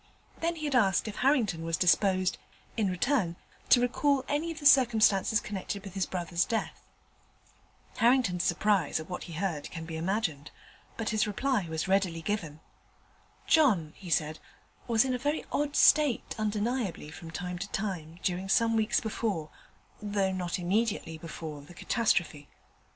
Then he had asked if Harrington was disposed, in return, to recall any of the circumstances connected with his brother's death. Harrington's surprise at what he heard can be imagined: but his reply was readily given. 'John,' he said, 'was in a very odd state, undeniably, from time to time, during some weeks before, though not immediately before, the catastrophe.